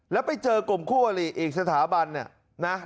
แล้วไปเจอกลุ่มคู่อลิอีกสถาบันเนี่ยนะ